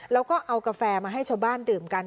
แล้วก็เอากาแฟมาให้ชาวบ้านดื่มกัน